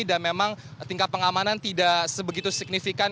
dan memang tingkat pengamanan tidak sebegitu signifikan